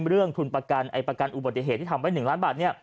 เรื่องทุนประกันประกันอุบัติเหตุที่ทำไว้๑ล้านบาท